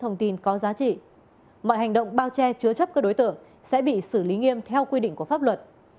mọi hành động bao che chứa chấp các đối tượng sẽ bị xử lý nghiêm theo quy định của pháp luật